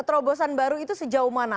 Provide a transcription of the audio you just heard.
terobosan baru itu sejauh mana